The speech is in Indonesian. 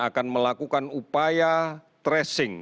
akan melakukan upaya tracing